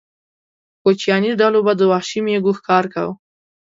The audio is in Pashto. کوچیاني ډلو به د وحشي مېږو ښکار کاوه.